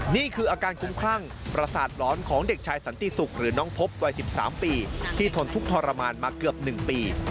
นี่คืออาการคุ้มคลั่งประสาทหลอนของเด็กชายสันติศุกร์หรือน้องพบวัย๑๓ปีที่ทนทุกข์ทรมานมาเกือบ๑ปี